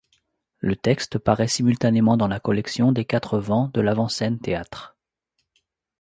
Le texte paraît simultanément dans la Collection des quatre vents de L'avant-scène théâtre.